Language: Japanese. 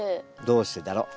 どうしてだろ？